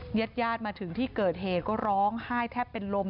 ญาติญาติมาถึงที่เกิดเหตุก็ร้องไห้แทบเป็นลม